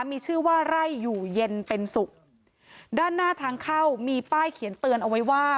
มีชื่อว่าไร่อยู่เย็นเป็นสุขด้านหน้าทางเข้ามีป้ายเขียนเตือนเอาไว้ว่า